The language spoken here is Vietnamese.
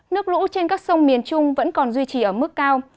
nước lũ trên các sông miền trung vẫn còn duy trì ở mức cao